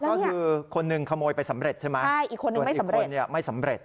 ก็คือคนนึงขโมยไปสำเร็จใช่ไหมใช่อีกคนนึงไม่สำเร็จส่วนอีกคนนึงไม่สำเร็จ